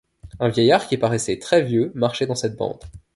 Un vieillard, qui paraissait très vieux, marchait dans cette bande.